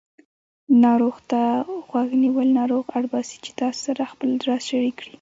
ناروغ ته غوږ نیول ناروغ اړباسي چې تاسې سره خپل راز شریک کړي